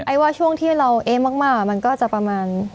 ว่าช่วงที่เราเอ๊ะมากมันก็จะประมาณ